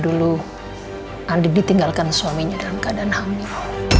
dulu andi ditinggalkan suaminya dalam keadaan hamil